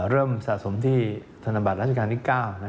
สะสมที่ธนบัตรราชการที่๙